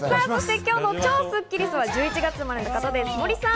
今日の超スッキりすは１１月生まれの方、森さん。